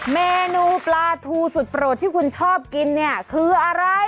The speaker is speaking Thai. เมนูปลาทูสุดโปรดที่คุณชอบกินเนี่ยคืออะไร